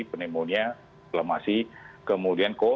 penemunia klamasi kemudian kemudian kemampuan